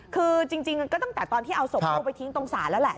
คือจริงก็ตั้งแต่ตอนที่เอาศพลูกไปทิ้งตรงศาลแล้วแหละ